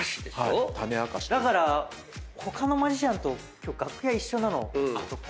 だから他のマジシャンと今日楽屋一緒なの怖いっすね。